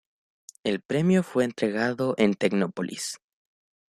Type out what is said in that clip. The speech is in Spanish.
El premio fue entregado en Tecnópolis.